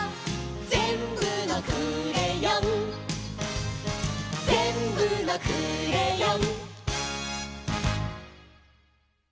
「ぜんぶのクレヨン」「ぜんぶのクレヨン」